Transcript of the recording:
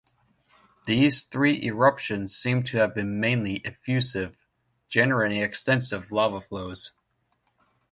These three eruptions seem to have been mainly effusive, generating extensive lava flows.